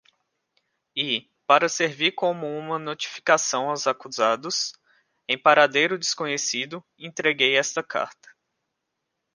E, para servir como uma notificação aos acusados, em paradeiro desconhecido, entreguei esta carta.